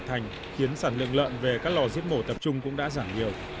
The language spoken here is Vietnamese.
thành khiến sản lượng lợn về các lò giết mổ tập trung cũng đã giảm nhiều